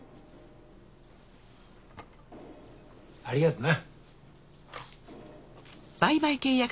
ありがとうな。